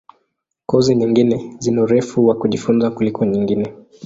Kozi nyingine zina urefu wa kujifunza kuliko nyingine.